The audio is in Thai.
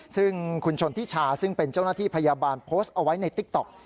ซึ่งคุณชนทิชาซึ่งเป็นเจ้าหน้าที่พยาบาลโพสต์เอาไว้ในติ๊กต๊อก